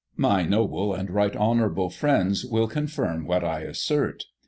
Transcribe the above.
My noble and Right Hon. friends will confirm what I assert.